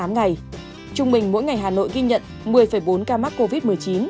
tám mươi tám ngày trung bình mỗi ngày hà nội ghi nhận một mươi bốn ca mắc covid một mươi chín